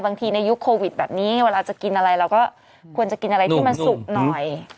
ในยุคโควิดแบบนี้เวลาจะกินอะไรเราก็ควรจะกินอะไรที่มันสุกหน่อย